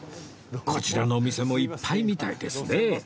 こちらのお店もいっぱいみたいですね